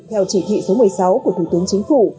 theo chỉ thị số một mươi sáu của thủ tướng chính phủ